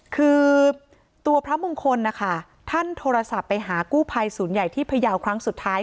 คือตัวพระมงคลนะคะท่านโทรศัพท์ไปหากู้ภัยศูนย์ใหญ่ที่พยาวครั้งสุดท้าย